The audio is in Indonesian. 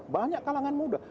banyak kalangan muda